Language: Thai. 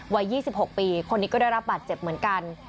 วัย๒๖ปีคนนี้ก็ได้รับบาดเจ็บเหมือนกัน